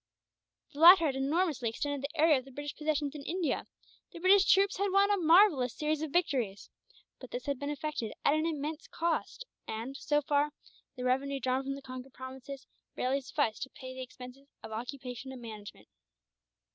The latter had enormously extended the area of the British possessions in India, the British troops had won a marvellous series of victories; but this had been effected at an immense cost and, so far, the revenue drawn from the conquered provinces barely sufficed to pay the expenses of occupation and management.